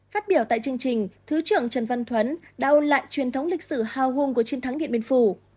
phát biểu tại chương trình thứ trưởng trần văn thuấn đã ôn lại truyền thống lịch sử hào hùng của chiến thắng điện biên phủ